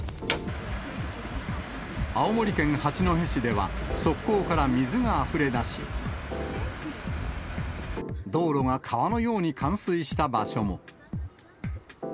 青森県八戸市では、側溝から水があふれ出し、道路が川のように冠水した場所も。